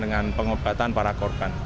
dengan pengobatan para korban